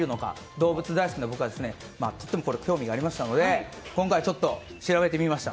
動物大好きな僕は興味がありましたので今回は調べてみました。